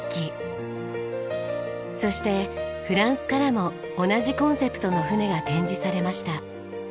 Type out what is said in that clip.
そしてフランスからも同じコンセプトの船が展示されました。